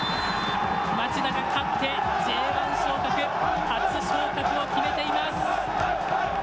町田が勝って、Ｊ１昇格、初昇格を決めています。